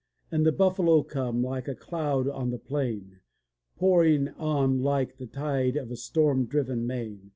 And the buffalo come, like a cloud on the plain. Pouring on like the tide of a storm driven main.